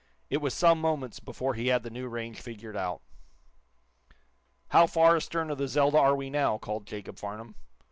It was some moments before he had the new range figured out. "How far astern of the 'Zelda' are we now?" called Jacob Farnum.